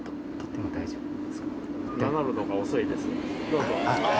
どうぞ。